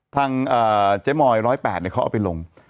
ทางเจมอย๑๐๘เนี่ยเขาเอาไปลง